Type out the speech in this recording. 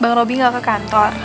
bang robby gak ke kantor